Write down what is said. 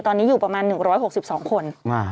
ตอนนี้อยู่ประมาณ๑๖๒คน